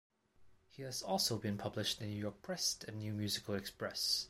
He has also been published in "New York Press" and "New Musical Express".